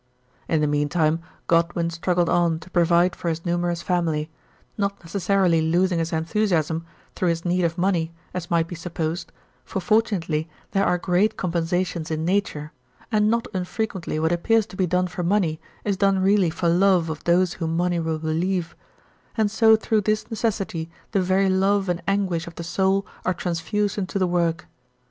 In the meantime Godwin struggled on to provide for his numerous family, not necessarily losing his enthusiasm through his need of money as might be supposed, for, fortunately, there are great compensa tions in nature, and not unfrequently what appears to be done for money is done really for love of those whom money will relieve ; and so through this neces sity the very love and anguish of the soul are trans fused into the work.